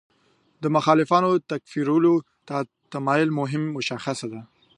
د مخالفانو تکفیرولو ته تمایل مهم مشخصه ده.